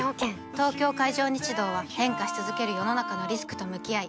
東京海上日動は変化し続ける世の中のリスクと向き合い